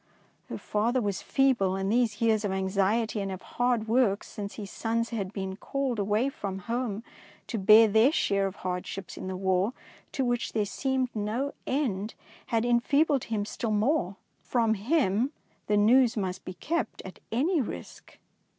'^ Her father was feeble, and these years of anxiety and.of hard work since his sons had been called away from home to bear their share of hardships in the War to which there seemed no end, had enfeebled him still more. From him the news must be kept at any risk.